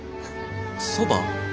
そば？